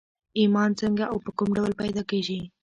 ايمان څنګه او په کوم ډول پيدا کېږي؟